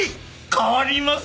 代わります！